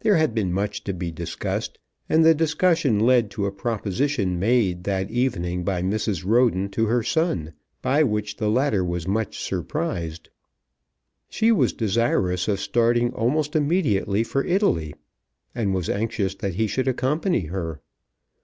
There had been much to be discussed, and the discussion led to a proposition made that evening by Mrs. Roden to her son by which the latter was much surprised. She was desirous of starting almost immediately for Italy, and was anxious that he should accompany her.